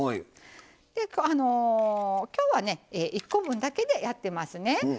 今日は１個分だけでやってますね。